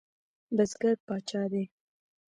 بزګر پاچا دی؟